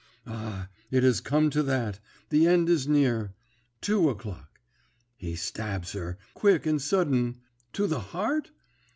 Ah, it has come to that the end is near! Two o'clock. He stabs her, quick and sudden, to the heart?